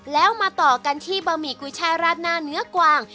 แล้วมาต่อกันที่บะหมี่กุยแช่ราดหน้าเนื้อกวาง